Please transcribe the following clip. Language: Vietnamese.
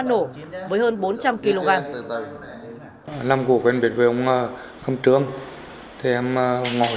nổ với hơn bốn trăm linh kg